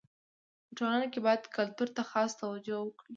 په ټولنه کي باید کلتور ته خاصه توجو وکړي.